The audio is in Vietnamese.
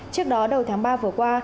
trước đó đầu tháng ba vừa qua